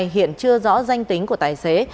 hiện chưa rõ danh tính của tài xế